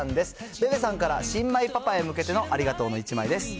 べべさんから新米パパへ向けたありがとうの１枚です。